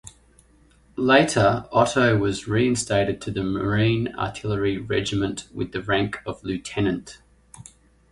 Later Otto was reinstated to the Marine Artillery Regiment with the rank of lieutenant.